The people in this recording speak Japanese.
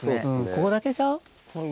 ここだけちゃう？